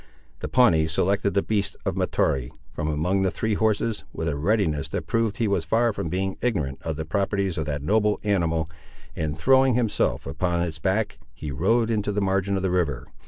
The Pawnee selected the beast of Mahtoree, from among the three horses, with a readiness that proved he was far from being ignorant of the properties of that noble animal, and throwing himself upon its back, he rode into the margin of the river.